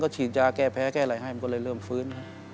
ก็ฉีดยาแพ้แค่ไล่ให้ก็เริ่มฟื้น